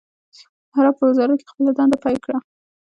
د حرب په وزارت کې يې خپله دنده پیل کړه.